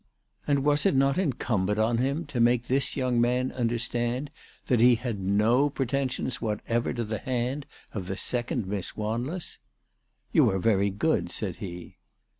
And was it not incumbent on him to make this young man under stand that he had no pretensions whatever to the hand of the second Miss Wanless ?" You are very good," said he.